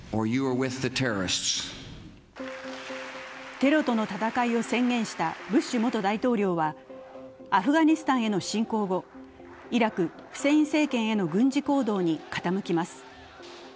テロとの戦いを宣言したブッシュ元大統領はアフガニスタンへの侵攻後、イラク・フセイン政権への軍事行動に傾きます。